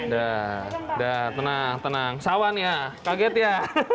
dah dah tenang tenang sawan ya kaget ya